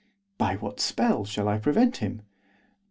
'By what spell shall I prevent him?